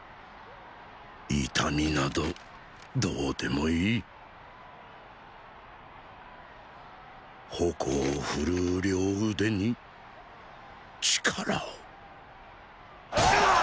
痛みなどどうでもいい矛をふるう両腕に力をがぁっ！